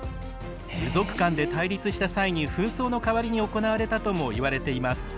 部族間で対立した際に紛争の代わりに行われたともいわれています。